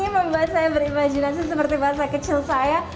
membuat saya berimajinasi seperti bahasa kecil saya